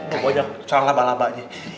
bokonya celah laba labanya